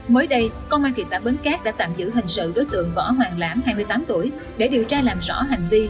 mới đây công an thị xã bến cát đã tạm giữ hình sự đối tượng võ hoàng lãm hai mươi tám tuổi để điều tra làm rõ hành vi